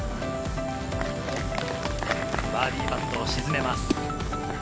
バーディーパットを沈めます。